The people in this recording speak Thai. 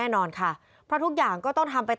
แม่นอนพันทุกอย่างก็ต้องทำไปให้